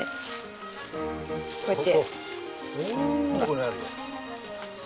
こうやって。